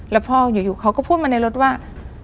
แล้วพ่ออยู่เขาก็พูดมาในรถว่า